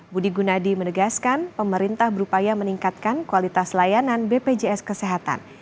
budi gunadi menegaskan pemerintah berupaya meningkatkan kualitas layanan bpjs kesehatan